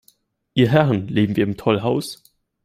Ihr Herren, leben wir im Tollhaus?